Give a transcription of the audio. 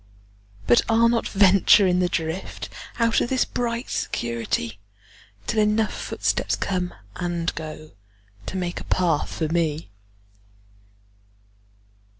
But I'll not venture in the driftOut of this bright security, Till enough footsteps come and goTo make a path for me.